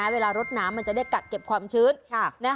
เวลารดน้ำมันจะได้กักเก็บความชื้น